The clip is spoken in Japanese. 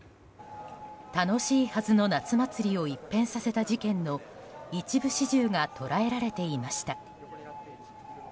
楽しいはずの夏祭りを一変させた事件の一部始終が捉えられていました。